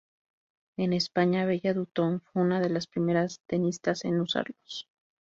En España Bella Dutton fue una de las primeras tenistas en usarlos.